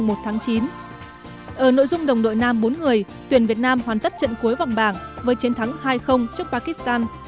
ở nội dung đồng đội nam bốn người tuyển việt nam hoàn tất trận cuối vòng bảng với chiến thắng hai trước pakistan